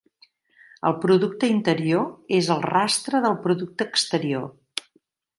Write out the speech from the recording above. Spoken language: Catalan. El producte interior és el rastre del producte exterior.